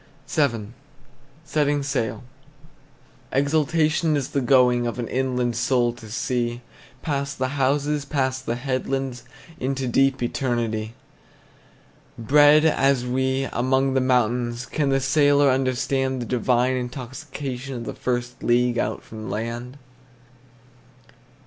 VII. SETTING SAIL. Exultation is the going Of an inland soul to sea, Past the houses, past the headlands, Into deep eternity! Bred as we, among the mountains, Can the sailor understand The divine intoxication Of the first league out from land?